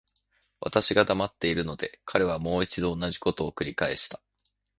私が黙っているので、彼はもう一度同じことを繰返した。